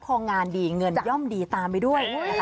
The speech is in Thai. พองานดีเงินย่อมดีตามไปด้วยนะคะ